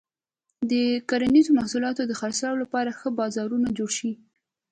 د کرنیزو محصولاتو د خرڅلاو لپاره ښه بازارونه جوړ شي.